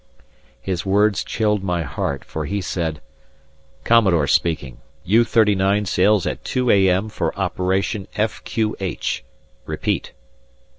His words chilled my heart, for he said: "Commodore speaking! U.39 sails at 2 a.m. for operation F.Q.H. Repeat."